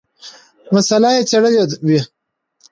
مساله یې څېړلې وي.